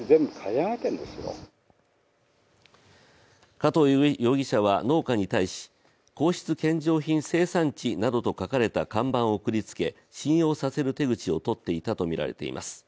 加藤容疑者は農家に対し皇室献上品生産地などと書かれた看板を送りつけ信用させる手口をとっていたとみられています。